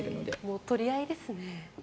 もう取り合いですね。